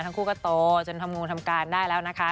ทั้งคู่ก็โตจนทำงูทำการได้แล้วนะคะ